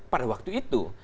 pada waktu itu